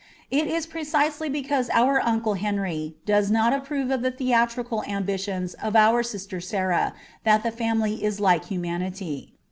It is precisely because our uncle Henry does not approve of the theatrical ambitions of our sister Sarah that the family is like humanity.